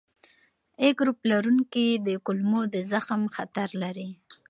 A ګروپ لرونکي د کولمو د زخم خطر لري.